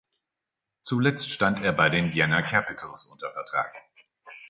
Zuletzt stand er bei den Vienna Capitals unter Vertrag.